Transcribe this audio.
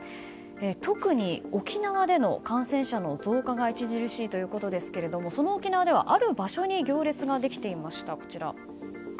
特に沖縄での感染者の増加が著しいということですけれどもその沖縄では、ある場所に行列ができていました。